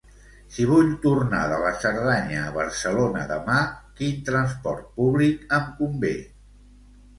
Si vull tornar de la Cerdanya a Barcelona demà, quin transport públic em convé?